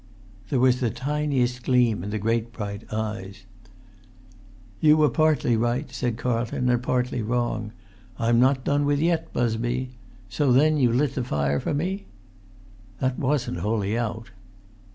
There was the tiniest gleam in the great bright eyes. "You were partly right," said Carlton, "and partly wrong. I'm not done with yet, Busby. So then you lit the fire for me?" "That wasn't wholly out."